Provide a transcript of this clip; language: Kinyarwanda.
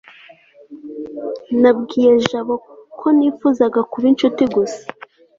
nabwiye jabo ko nifuzaga kuba inshuti gusa